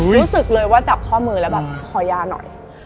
รู้สึกเลยว่าจับข้อมือแล้วแบบขอยาหน่อย